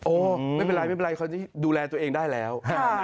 โอ้ไม่เป็นไรเขาดูแลตัวเองได้แล้ว